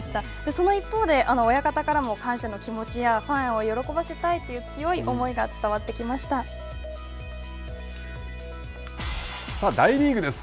その一方で、親方からも感謝の気持ちやファンを喜ばせたいという強い思いが大リーグです。